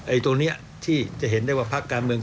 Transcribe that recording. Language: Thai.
ตัวนี้ที่จะเห็นได้ว่าพักการเมือง